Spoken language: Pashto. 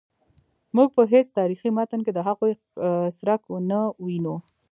موږ په هیڅ تاریخي متن کې د هغوی څرک نه وینو.